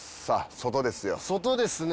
外ですね。